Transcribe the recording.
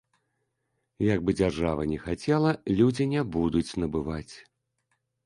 Як бы дзяржава ні хацела, людзі не будуць набываць.